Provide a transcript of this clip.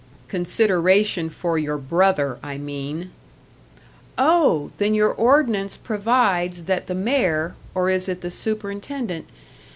"Consideration for your brother, I mean." "Oh! Then your ordinance provides that the mayor or is it the superintendent?